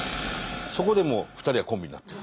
そこでもう２人はコンビになってる。